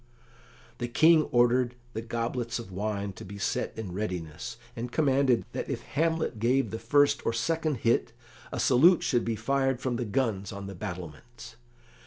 The King ordered the goblets of wine to be set in readiness, and commanded that if Hamlet gave the first or second hit a salute should be fired from the guns on the battlements.